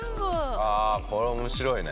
ああこれ面白いね。